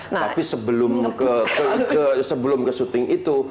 tapi sebelum ke syuting itu